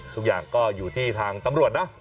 ทุกอย่างก็อยู่ที่ทางตำรวจนะ